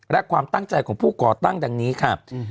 และความตั้งใจของผู้ก่อตั้งดังนี้ค่ะ